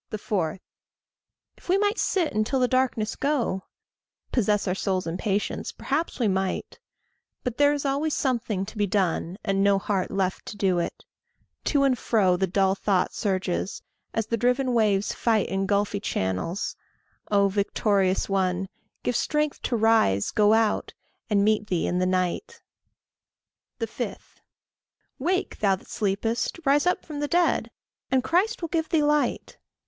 4. If we might sit until the darkness go, Possess our souls in patience perhaps we might; But there is always something to be done, And no heart left to do it. To and fro The dull thought surges, as the driven waves fight In gulfy channels. Oh! victorious one, Give strength to rise, go out, and meet thee in the night. 5. "Wake, thou that sleepest; rise up from the dead, And Christ will give thee light."